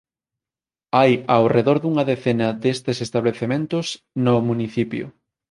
Hai ao redor dunha decena destes establecementos no municipio.